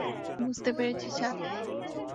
বুঝতে পেরেছি, স্যার।